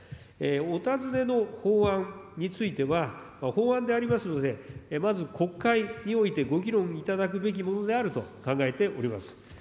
お尋ねの法案については、法案でありますので、まず国会においてご議論いただくべきものであると考えております。